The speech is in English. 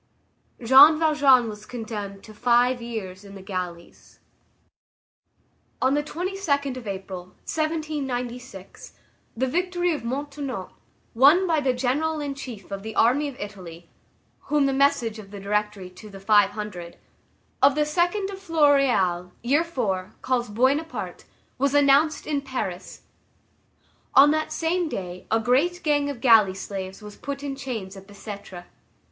Jean Valjean was condemned to five years in the galleys. On the 22d of April, 1796, the victory of Montenotte, won by the general in chief of the army of Italy, whom the message of the Directory to the Five Hundred, of the 2d of Floréal, year IV., calls Buona Parte, was announced in Paris; on that same day a great gang of galley slaves was put in chains at Bicêtre.